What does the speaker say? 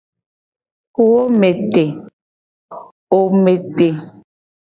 Wo me te.